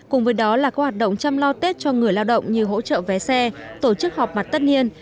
cùng với đó là các hoạt động chăm lo tết cho người lao động như hỗ trợ vé xe tổ chức họp mặt tất niên